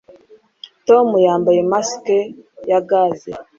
tom yambaye mask ya gaze